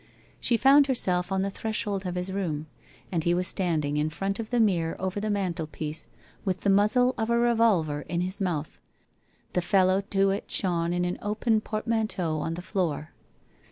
She found herself on the threshold of his room, and he was standing in front of the mirror over the mantelpiece, with the muzzle of a revolver in his mouth. The fellow to it shone in an open portmanteau on the floor.